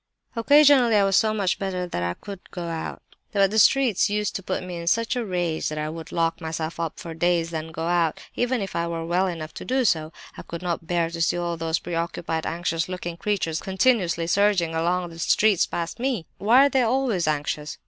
"Occasionally I was so much better that I could go out; but the streets used to put me in such a rage that I would lock myself up for days rather than go out, even if I were well enough to do so! I could not bear to see all those preoccupied, anxious looking creatures continuously surging along the streets past me! Why are they always anxious?